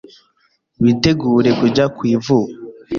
bitegura kujya ku ivuko